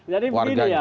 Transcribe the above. jadi begini ya